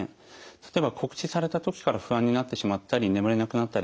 例えば告知された時から不安になってしまったり眠れなくなったり。